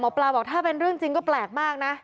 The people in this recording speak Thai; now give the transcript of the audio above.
ปลาบอกถ้าเป็นเรื่องจริงก็แปลกมากนะ